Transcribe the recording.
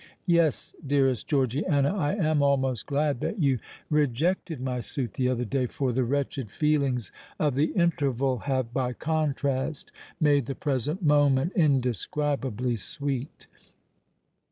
Yes—dearest Georgiana—I am almost glad that you rejected my suit the other day; for the wretched feelings of the interval have, by contrast, made the present moment indescribably sweet.